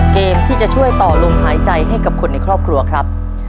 เกมที่จะช่วยต่อลมหายใจให้กับคนในครอบครัวครับ